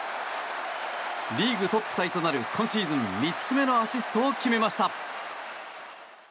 リーグトップタイとなる今シーズン３つ目のアシストを決めました。